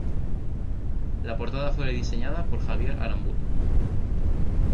La portada fue diseñada por Javier Aramburu.